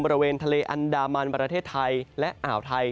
บริเวณทะเลอันดามันประเทศไทยและอ่าวไทย